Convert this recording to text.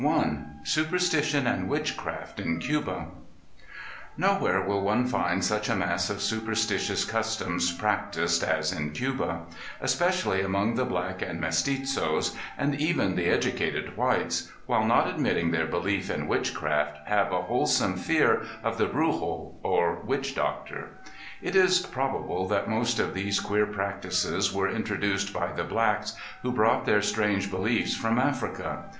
1908 SUPERSTITION AND WITCHCRAFT IN CUBA Nowhere will one find such a mass of superstitious customs practiced, as in Cuba; especially among the black and mestizos, and even the educated whites, while not admitting their belief in witchcraft have a wholesome fear of the Brujo or witch doctor. It is probable that most of these queer practices were introduced by the blacks who brought their strange beliefs from Africa.